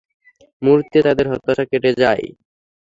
মুহুর্তে তাদের হতাশা কেটে যায়।